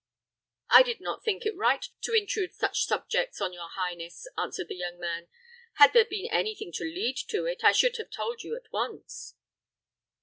"I did not think it right to intrude such subjects on your highness," answered the young man. "Had there been any thing to lead to it, I should have told you at once."